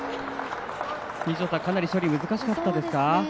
ショット、かなり処理難しかったですか？